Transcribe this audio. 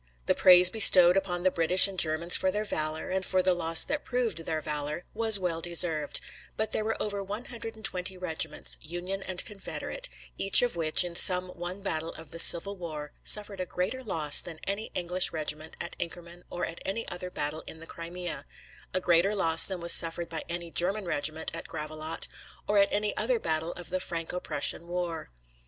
The praise bestowed, upon the British and Germans for their valor, and for the loss that proved their valor, was well deserved; but there were over one hundred and twenty regiments, Union and Confederate, each of which, in some one battle of the Civil War, suffered a greater loss than any English regiment at Inkerman or at any other battle in the Crimea, a greater loss than was suffered by any German regiment at Gravelotte or at any other battle of the Franco Prussian war.